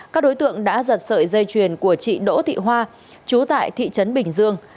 các đối tượng đã giật sợi dây chuyền của chị đỗ thị hoa chú tại thị trấn bình dương